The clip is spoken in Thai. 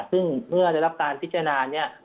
ซึ่งเมื่อได้รับการพิจารณาเนี่ย